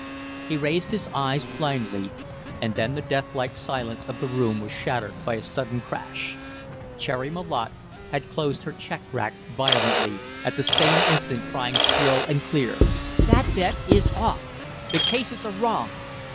He raised his eyes blindly, and then the deathlike silence of the room was shattered by a sudden crash. Cherry Malotte had closed her check rack violently, at the same instant crying shrill and clear: "That bet is off! The cases are wrong!"